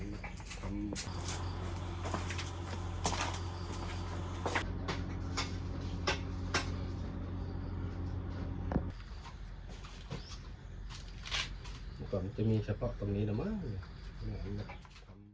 อุปัติมีเฉพาะตรงนี้นะมั้ง